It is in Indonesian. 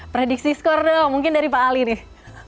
prediksi skor dong mungkin dari pak ali nih